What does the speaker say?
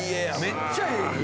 めっちゃええ家。